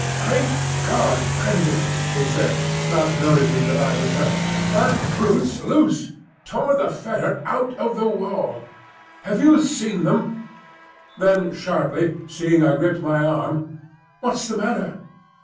"Great God, Prendick!" he said, not noticing that I was hurt, "that brute's loose! Tore the fetter out of the wall! Have you seen them?" Then sharply, seeing I gripped my arm, "What's the matter?"